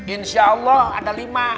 insya allah ada lima